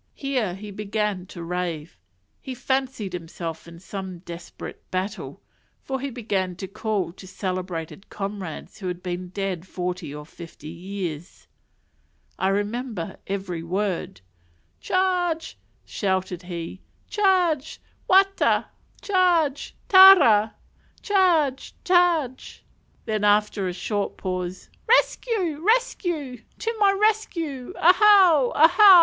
Here he began to rave; he fancied himself in some desperate battle, for he began to call to celebrated comrades who had been dead forty or fifty years. I remember every word "Charge!" shouted he "Charge! Wata, charge! Tara, charge! charge!" Then after a short pause "Rescue! rescue! to my rescue! _ahau! ahau!